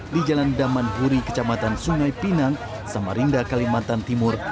di jalan daman huri kecamatan sungai pinang samarinda kalimantan timur